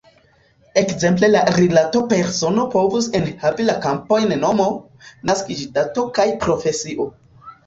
Ekzemple la rilato "persono" povus enhavi la kampojn "nomo", "naskiĝdato" kaj "profesio".